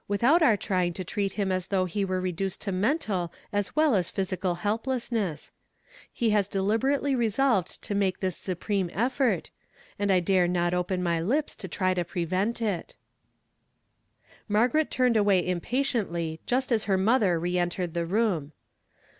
out our trying to treat him as though he were reduced to mental as well as physical helplessness. He has deliberately resolved to make this supreme effort, and I dare not open my lips tp try to pre yentit," ■'//•*'^ "WE HAVE HBAED THE FAME OF HIM." 15 Margaret turned away impatiently just as her motlier re entered the room.